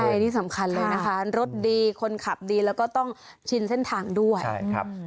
ใช่นี่สำคัญเลยนะคะรถดีคนขับดีแล้วก็ต้องชินเส้นทางด้วยใช่ครับ